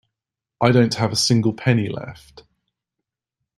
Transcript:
I don't have a single penny left.